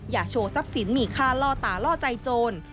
อย่าโชว์ทรัพย์สินมีค่าล่อตาล่อใจโจร